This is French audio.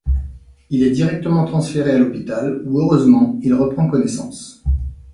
Il est directement transféré à l'hôpital où, heureusement, il reprend connaissance.